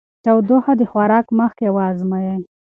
تودوخه د خوراک مخکې وازمویئ.